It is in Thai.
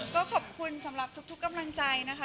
ก็ขอบคุณสำหรับทุกกำลังใจนะคะ